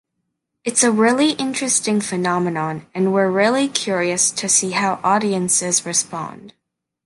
It's a really interesting phenomenon and we're really curious to see how audiences respond.